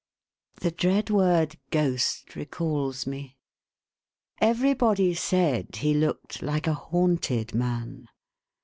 The dread word, GHOST, recalls me. Eve ry body said he looked like a haunted man.